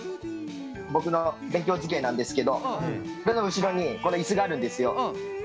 僕の勉強机なんですけどこれの後ろにこの椅子があるんですよ。